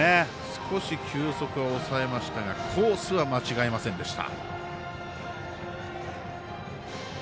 少し球速は抑えましたがコースは間違えませんでした。